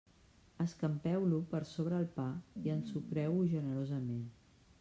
Escampeu-lo per sobre el pa i ensucreu-ho generosament.